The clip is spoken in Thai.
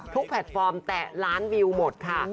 แพลตฟอร์มแตะล้านวิวหมดค่ะ